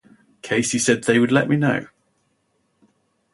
Casey said They let me know.